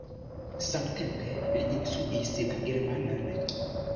Samtempe li instruis la germanan.